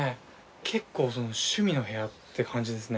結構趣味の部屋って感じですね。